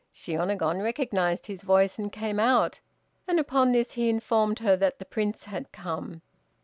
Shiônagon recognized his voice and came out, and upon this he informed her that the Prince had come.